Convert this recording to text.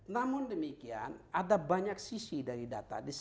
namun demikian ada banyak sisi dari data